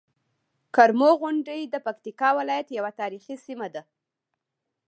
کرمو غونډۍ د پکتيکا ولايت یوه تاريخي سيمه ده.